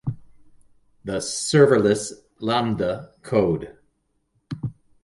the serverless lambda code